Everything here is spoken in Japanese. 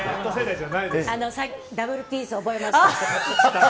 ダブルピース覚えました。